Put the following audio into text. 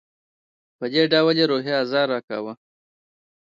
په دې ډول یې روحي آزار راکاوه.